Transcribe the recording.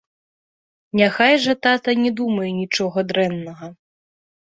Няхай жа тата не думае нічога дрэннага.